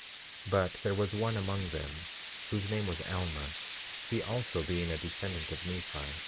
17:2 But there was one among them whose name was Alma, he also being a descendant of Nephi.